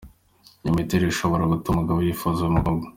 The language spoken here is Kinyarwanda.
Iyi miterere ishobora gutuma umugabo yifuza umukobwa.